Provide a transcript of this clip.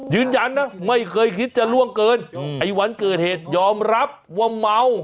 ยืนยันนะไม่เคยคิดจะล่วงเกินไอ้วันเกิดเหตุยอมรับว่าเมา